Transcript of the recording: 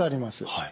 はい。